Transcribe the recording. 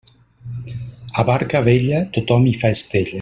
A barca vella tothom hi fa estella.